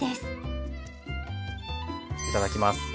いただきます。